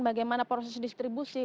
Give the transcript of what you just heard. bagaimana proses distribusi